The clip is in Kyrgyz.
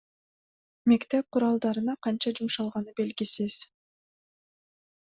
Мектеп куралдарына канча жумшалганы белгисиз.